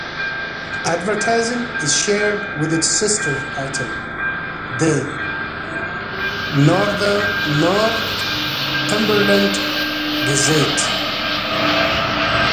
Advertising is shared with its sister title the "Northumberland Gazette".